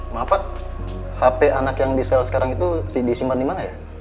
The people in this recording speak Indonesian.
maaf pak hp anak yang di sel sekarang itu disimpan dimana ya